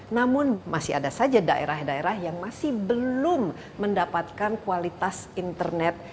namun masih ada saja daerah daerah yang masih belum mendapatkan kualitas internet